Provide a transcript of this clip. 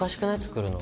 作るの。